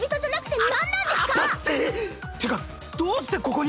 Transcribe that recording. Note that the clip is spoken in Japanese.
ってかどうしてここに？